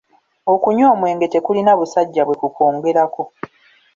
Okunywa omwenge tekulina busajja bwekukwongerako.